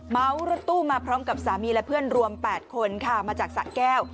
รถตู้มาพร้อมกับสามีและเพื่อนรวม๘คนค่ะมาจากสะแก้ว